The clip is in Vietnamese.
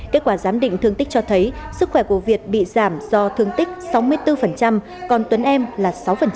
kết quả giám định thương tích cho thấy sức khỏe của việt bị giảm do thương tích sáu mươi bốn còn tuấn em là sáu